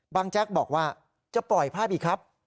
แจ๊กบอกว่าจะปล่อยภาพอีกครับ